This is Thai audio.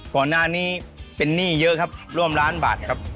ก่อนหน้านี้เป็นหนี้เยอะครับร่วมล้านบาทครับ